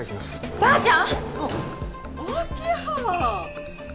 ばあちゃん